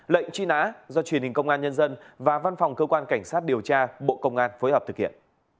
lệnh truy nã do truyền hình công an nhân dân và văn phòng cơ quan cảnh sát điều tra bộ công an phối hợp thực hiện